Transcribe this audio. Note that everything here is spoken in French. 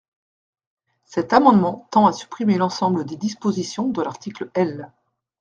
Cet amendement tend à supprimer l’ensemble des dispositions de l’article L.